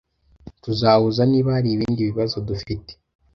Tuzahuza niba hari ibindi bibazo dufite